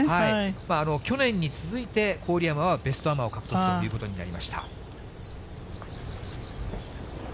去年に続いて、郡山はベストアマを獲得ということになりました。